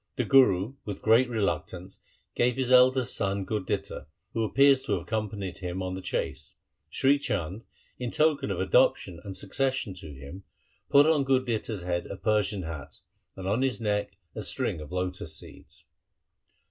The Guru with great reluctance gave his eldest son Gurditta, who appears to have accompanied him to the chase. Sri Chand, in token of adoption and succession to him, put on Gurditta's head a Persian hat, and on his neck a string of lotus seeds.